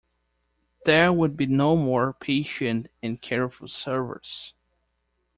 There would be no more patient and careful service.